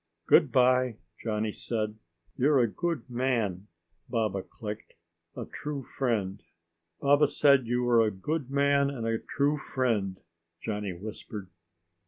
"Goodbye," Johnny said. "You are a good man," Baba clicked. "A true friend!" "Baba said you are a good man and a true friend," Johnny whispered.